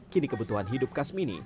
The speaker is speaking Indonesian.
kini kebutuhan hidup kasmini